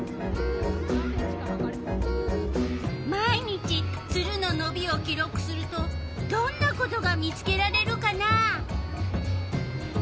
毎日ツルののびを記録するとどんなことが見つけられるかな。